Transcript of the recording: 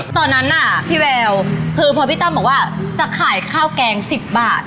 ตอนนั้นน่ะพี่แววคือพอพี่ตั้มบอกว่าจะขายข้าวแกง๑๐บาท